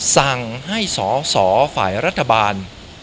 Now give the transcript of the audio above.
สั่งให้สอสอฝ่ายรัฐบาล